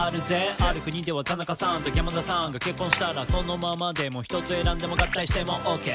「ある国では田中さんと山田さんが結婚したら」「そのままでも１つ選んでも合体してもオッケー」